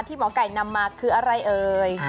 หมอไก่นำมาคืออะไรเอ่ย